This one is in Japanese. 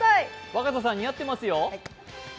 若狭さん、似合ってますよ。